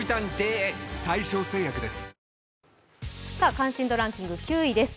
関心度ランキング、９位です。